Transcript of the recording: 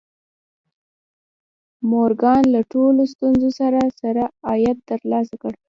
مورګان له ټولو ستونزو سره سره عاید ترلاسه کړ